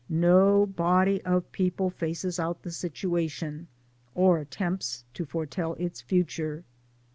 No body of people faces out the situation, or attempts to foretell its future.